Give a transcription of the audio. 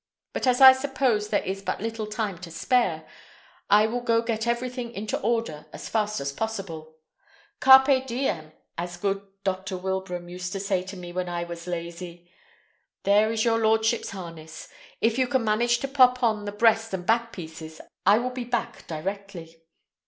But, as I suppose there is but little time to spare, I will go get everything into order as fast as possible. Carpe diem, as good Dr. Wilbraham used to say to me when I was lazy. There is your lordship's harness. If you can manage to pop on the breast and back pieces, I will be back directly."